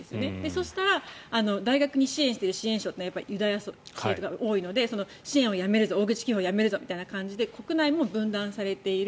そうしたら大学に支援している支援層というのはユダヤ系とかが多いので支援をやめる大口寄付をやめるぞとか言って国内も分断されている。